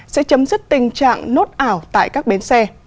sẽ chấm dứt tình trạng nốt ảo tại các bến xe